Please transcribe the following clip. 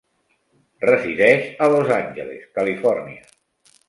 Resideix a Los Angeles, Califòrnia.